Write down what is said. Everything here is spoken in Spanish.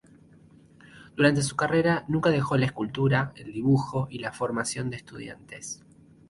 Durante su carrera, nunca dejó de escultura, el dibujo y la formación de estudiantes.